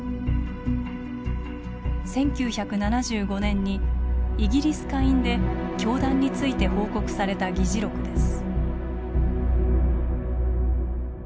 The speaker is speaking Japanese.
１９７５年にイギリス下院で教団について報告された議事録です。